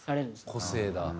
個性だ。